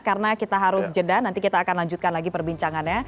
karena kita harus jeda nanti kita akan lanjutkan lagi perbincangannya